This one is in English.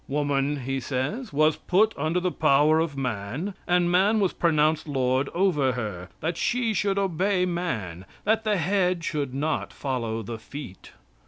"Woman," he says, "was put under the power of man, and man was pronounced lord over her; that she should obey man, that the head should not follow the feet.